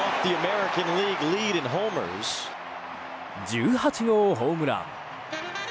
１８号ホームラン。